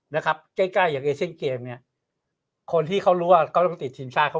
นะครับแก้ใกล้อย่างเกมเนี่ยคนที่เขารู้ว่าก็ติดชีวิตชาติ